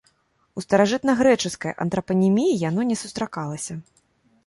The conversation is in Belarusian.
У старажытнагрэчаскай антрапаніміі яно не сустракалася.